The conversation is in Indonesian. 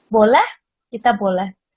boleh kita boleh